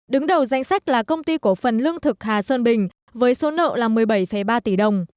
đứng đầu danh sách là công ty cổ phần lương thực hà sơn bình với số nợ là một mươi bảy ba tỷ đồng